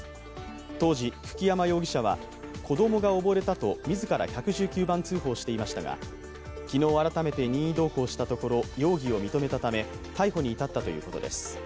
当時、久木山容疑者は子供が溺れたと自ら１１９番通報していましたが、昨日改めて任意同行したところ容疑を認めたため逮捕に至ったということです。